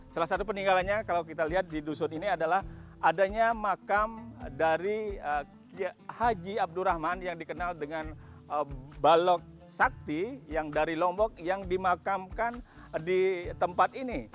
salah satu peninggalannya kalau kita lihat di dusun ini adalah adanya makam dari haji abdul rahman yang dikenal dengan balok sakti yang dari lombok yang dimakamkan di tempat ini